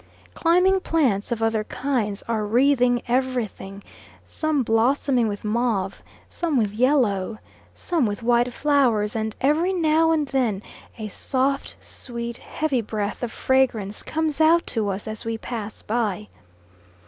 Climbing plants of other kinds are wreathing everything, some blossoming with mauve, some with yellow, some with white flowers, and every now and then a soft sweet heavy breath of fragrance comes out to us as we pass by.